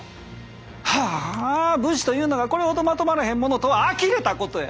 はぁ武士というのがこれほどまとまらへんものとはあきれたことや。